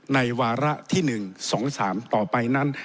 วาระที่๑๒๓ต่อไปนั้น